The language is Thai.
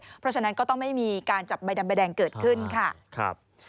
เพราะฉะนั้นก็ต้องไม่มีการจับใบดำใบแดงเกิดขึ้นค่ะ